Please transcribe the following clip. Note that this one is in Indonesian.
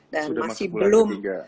dan masih belum